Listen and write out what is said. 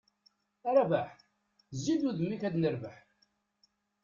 A Rabaḥ! Zzi-d udem-k ad nerbeḥ.